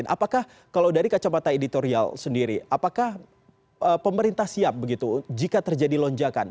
apakah kalau dari kacamata editorial sendiri apakah pemerintah siap begitu jika terjadi lonjakan